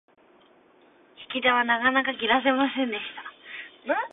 引き手はなかなか切らせませんでした。